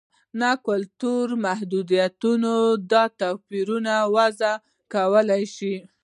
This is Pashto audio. نه کلتوري محدودیتونه دا توپیرونه واضح کولای شي.